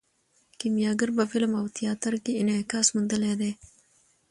کیمیاګر په فلم او تیاتر کې انعکاس موندلی دی.